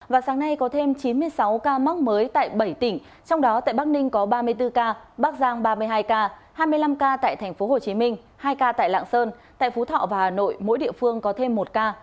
và sáng nay có thêm chín mươi sáu ca mắc mới tại bảy tỉnh trong đó tại bắc ninh có ba mươi bốn ca bắc giang ba mươi hai ca hai mươi năm ca tại tp hcm hai ca tại lạng sơn tại phú thọ và hà nội mỗi địa phương có thêm một ca